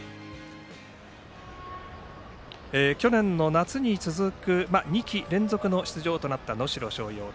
去年夏に続く２季連続の出場となった能代松陽です。